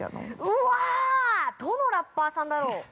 ◆うわどのラッパーさんだろう。